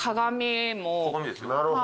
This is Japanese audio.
なるほど。